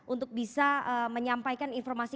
untuk bisa menyampaikan informasi